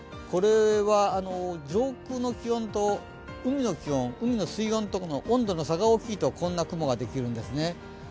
これは上空の気温と海の水温の温度の差が大きいと、こんな雲ができるんですね。